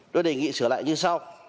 tôi đề nghị sửa lại như sau